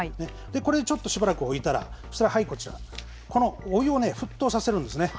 これ、ちょっとしばらく置いたらこちらそのお湯を沸騰させるんですね。